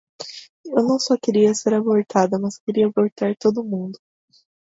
Eu não só queria ser abortada mas queria abortar todo mundo!